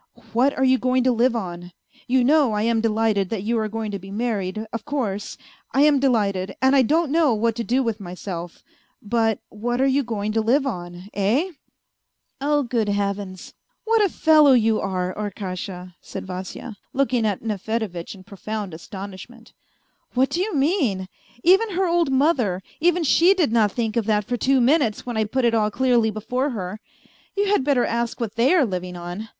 What are you going A FAINT HEART 161 to live on ? You know I am delighted that you are going to be married, of course, I am delighted, and I don't know what to do with myself, but what are you going to live on ? Eh ?"" Oh, good Heavens ! What a fellow you are, Arkasha !" said Vasya, looking' at Nefedevitch in profound astonishment. " What do you mean ? Even her old mother, even she did not think of that for two minutes when I put it all clearly before her. You had better ask what they are living on